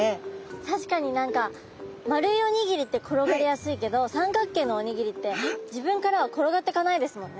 確かに何か丸いおにぎりって転がりやすいけど三角形のおにぎりって自分からは転がっていかないですもんね。